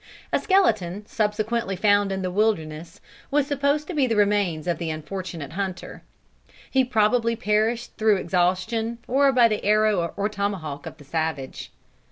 A skeleton, subsequently found in the wilderness, was supposed to be the remains of the unfortunate hunter. He probably perished through exhaustion, or by the arrow or tomahawk of the savage.